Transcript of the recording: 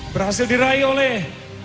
berhasil diraih oleh